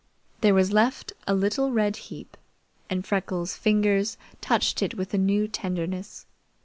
There was left a little red heap, and Freckles' fingers touched it with a new tenderness.